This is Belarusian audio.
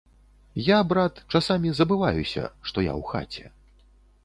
Я, брат, часамі забываюся, што я ў хаце.